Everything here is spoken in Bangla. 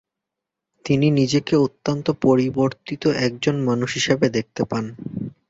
তিনি নিজেকে অত্যন্ত পরিবর্তিত একজন মানুষ হিসেবে দেখতে পান।